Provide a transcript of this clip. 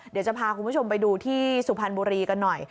เดี๋ยวจะพาคุณผู้ชมไปดูที่สุพรรณบุรีกันหน่อย